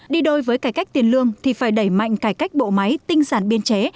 đi đôi với cải cách tiền lương thì phải đẩy mạnh cải cách bộ máy tinh sản biên chế